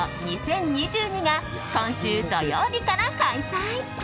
ＴＯＫＹＯ２０２２が今週土曜日から開催。